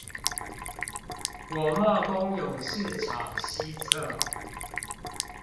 果貿公有市場西側